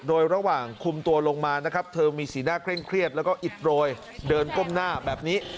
โดยระหว่างคุมตัวลงมานะครับเธอมีสีหน้าเคร่งเครียดแล้วก็อิดโรยเดินก้มหน้าแบบนี้